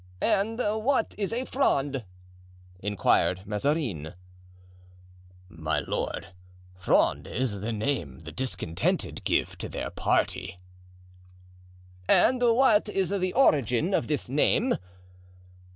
"And what is a Fronde?" inquired Mazarin. "My lord, Fronde is the name the discontented give to their party." "And what is the origin of this name?"